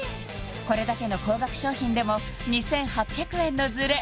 これだけの高額商品でも２８００円のズレ